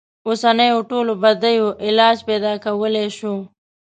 اوسنیو ټولو بدیو علاج پیدا کولای شو.